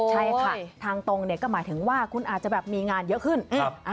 ใช่ค่ะทางตรงเนี่ยก็หมายถึงว่าคุณอาจจะแบบมีงานเยอะขึ้น